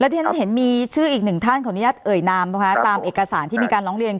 ที่ฉันเห็นมีชื่ออีกหนึ่งท่านขออนุญาตเอ่ยนามนะคะตามเอกสารที่มีการร้องเรียน